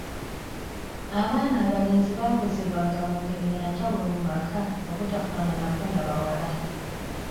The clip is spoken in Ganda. Abaana abalenzi baakuzibwanga mu ngeri ya njawulo mu maka obutafaananako na bawala.